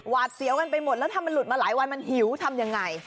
เสียวกันไปหมดแล้วถ้ามันหลุดมาหลายวันมันหิวทำยังไง